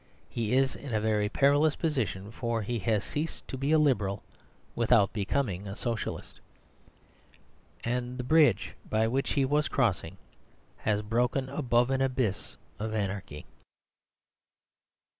He is in a very perilous position; for he has ceased to be a Liberal without becoming a Socialist, and the bridge by which he was crossing has broken above an abyss of Anarchy.